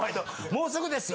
「もうすぐですよ」